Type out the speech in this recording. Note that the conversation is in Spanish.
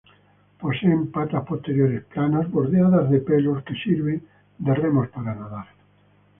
Poseen patas posteriores planas bordeadas de pelos, que sirven de remos para nadar.